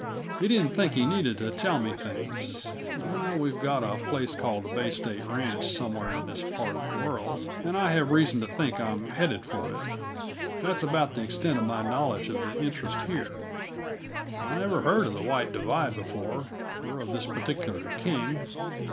He didn't think he needed to tell me things; I know we've got a place called the Bay State Ranch somewhere in this part of the world, and I have reason to think I'm headed for it. That's about the extent of my knowledge of our interest here. I never heard of the White Divide before, or of this particular King.